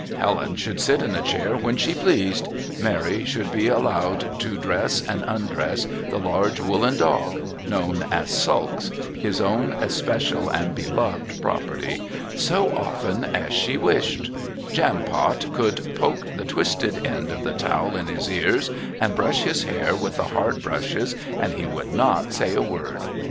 Helen should sit in the chair when she pleased; Mary should be allowed to dress and undress the large woollen dog, known as "Sulks," his own especial and beloved property, so often as she wished; Jampot should poke the twisted end of the towel in his ears and brush his hair with the hard brushes, and he would not say a word.